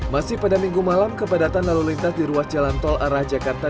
masih pada minggu malam kepadatan lalu lintas di ruas jalan tol arah jakarta